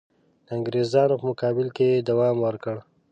د انګرېزانو په مقابل کې یې دوام ورکړ.